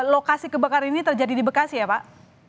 lokasi kebakaran ini terjadi di bekasi ya pak